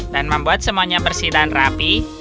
dan membuat semuanya bersih dan rapi